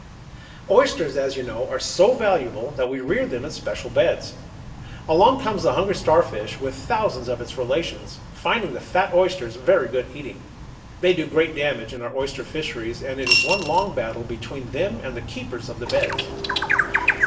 Oysters, as you know, are so valuable that we rear them in special "beds." Along comes the hungry Starfish, with thousands of its relations, finding the fat oysters very good eating. They do great damage in our oyster fisheries, and it is one long battle between them and the keepers of the "beds."